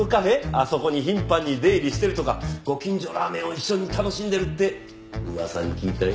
あそこに頻繁に出入りしてるとかご近所ラーメンを一緒に楽しんでるって噂に聞いたよ。